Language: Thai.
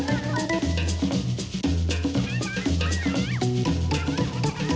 ต้องชุดบาทนี่ไงเครื่องนี้